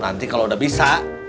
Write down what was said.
nanti kalau udah bisa